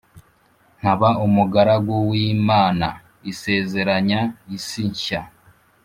nkaba umugaragu w Imana isezeranya isi nshya